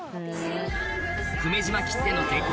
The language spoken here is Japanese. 久米島きっての絶景